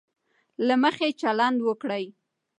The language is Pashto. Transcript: له مخي چلند وکړي.